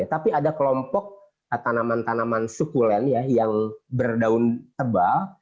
tapi ada kelompok tanaman tanaman sukulen yang berdaun tebal